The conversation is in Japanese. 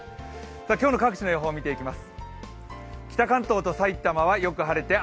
今日の各地の予報見ていきます。